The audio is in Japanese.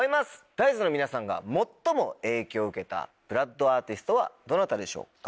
Ｄａ−ｉＣＥの皆さんが最も影響を受けたＢＬＯＯＤアーティストはどなたでしょうか？